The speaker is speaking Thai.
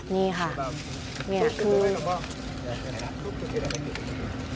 นี่ค่ะนี่คือ